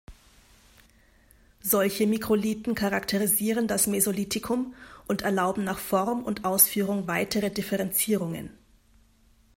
Solche Mikrolithen charakterisieren das Mesolithikum und erlauben nach Form und Ausführung weitere Differenzierungen.